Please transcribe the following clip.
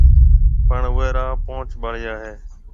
پڻ اُوئي را پونچ ٻاݪيا هيَ۔